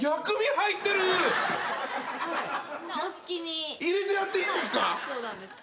入れてやっていいんすか？